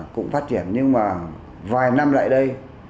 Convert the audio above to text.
cũng phát triển nhưng mà vài năm lại đây